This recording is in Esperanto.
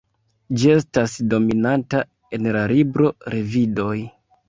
Ĝi estas dominanta en la libro Levidoj.